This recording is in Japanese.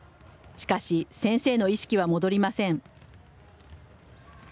しかし先生の意識は戻りません。